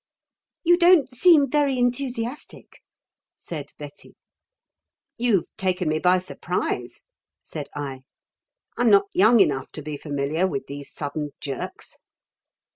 "You don't seem very enthusiastic," said Betty. "You've taken me by surprise," said I. "I'm not young enough to be familiar with these sudden jerks."